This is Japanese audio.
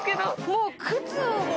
もう靴も。